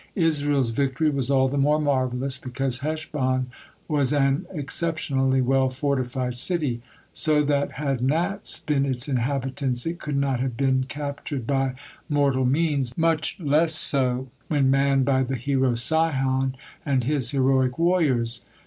Israel's victory was all the more marvelous, because Heshbon was an exceptionally well fortified city, so that, had gnats been its inhabitants, it could not have been captured by mortal means, much less so when manned by the hero Sihon and his heroic warriors.